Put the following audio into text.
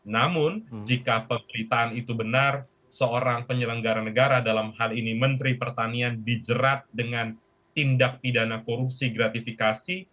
namun jika pemberitaan itu benar seorang penyelenggara negara dalam hal ini menteri pertanian dijerat dengan tindak pidana korupsi gratifikasi